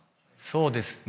そうですね。